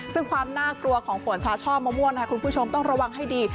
ซึ่งความน่ากลัวของฝนชาช่อมะม่วงคุณผู้ชมต้องระวังให้ดี